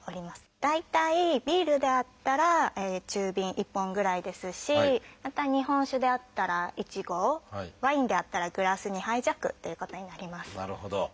大体ビールであったら中瓶１本ぐらいですしまた日本酒であったら１合ワインであったらグラス２杯弱ということになります。